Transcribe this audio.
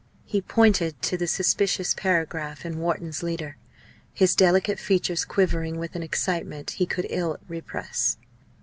He pointed to the suspicious paragraph in Wharton's leader, his delicate features quivering with an excitement he could ill repress.